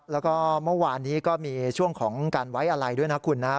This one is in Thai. แล้วก็เมื่อวานนี้ก็มีช่วงของการไว้อะไรด้วยนะคุณนะ